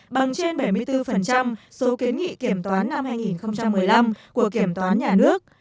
bằng trên bảy mươi bốn số kiến nghị kiểm toán năm hai nghìn một mươi năm của kiểm toán nhà nước